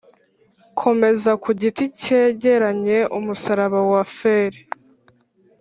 komeza ku giti cyegeranye, umusaraba wa feri,